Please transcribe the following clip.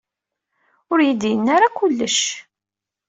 Ur yi-d-yenna ara kullec.